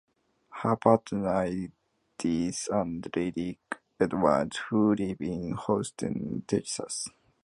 Her parents are Edith and Redick Edwards, who live in Houston, Texas.